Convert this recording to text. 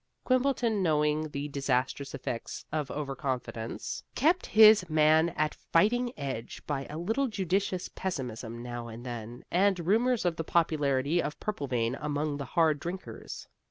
Quimbleton, knowing the disastrous effects of over confidence, kept his man at fighting edge by a little judicious pessimism now and then, and rumors of the popularity of Purplevein among the hard drinkers.